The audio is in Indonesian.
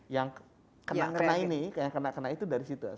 yang kena ini yang kena kena itu dari situ